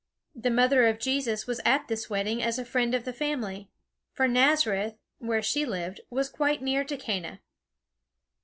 The mother of Jesus was at this wedding as a friend of the family; for Nazareth, where she lived, was quite near to Cana.